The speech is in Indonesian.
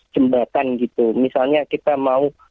jembatan gitu misalnya kita mau